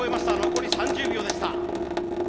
残り３０秒でした。